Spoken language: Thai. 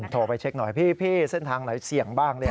โทรไปเช็คหน่อยพี่เส้นทางไหนเสี่ยงบ้าง